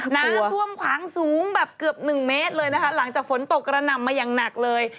น้ำท่วมขวางสูงแบบเกือบหนึ่งเมตรเลยนะคะหลังจากฝนตกกระหน่ำมาอย่างหนักเลย